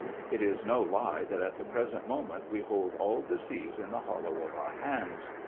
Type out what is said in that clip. It is no lie that at the present moment we hold all the seas in the hollow of our hands.